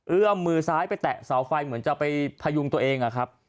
เอื้อมมือสาธิตัดสาวไฟเหมือนจะได้ประยุงตัวเอง